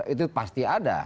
itu pasti ada